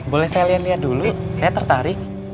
boleh saya lihat lihat dulu saya tertarik